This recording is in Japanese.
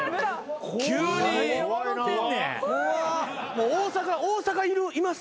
もう大阪います